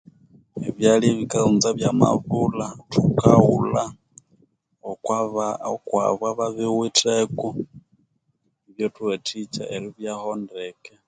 Ebyalya ebikaghunza byamabulha thukaghulha okwaba okwabo ababiwitheko ibyathuwathikya eribyaho ndeke.